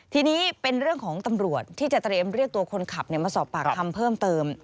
ทีนี้เป็นเรื่องของตำรวจที่จะเตรียมเรียกตัวคนขับมาสอบปากคำเพิ่มเติม